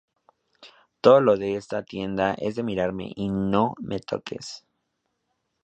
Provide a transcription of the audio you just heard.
Todo lo de esa tienda es de mírame y no me toques